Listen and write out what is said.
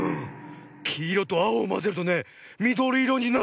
きいろとあおをまぜるとねみどりいろになるんだね。